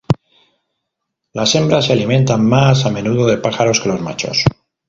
Las hembras se alimentan más a menudo de pájaros que los machos.